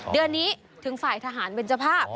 เดือนนี้ถึงฝ่ายทหารเป็นเจ้าภาพ